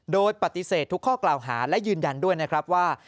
โดยปฏิเสธทุกข้อกล่าวหาและยืนยันด้วยนะครับว่า